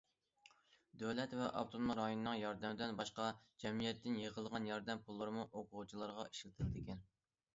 دۆلەت ۋە ئاپتونوم رايوننىڭ ياردىمىدىن باشقا، جەمئىيەتتىن يىغىلغان ياردەم پۇللىرىمۇ ئوقۇغۇچىلارغا ئىشلىتىلىدىكەن.